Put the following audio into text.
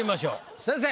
先生！